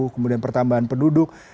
kemudian pertambahan penduduk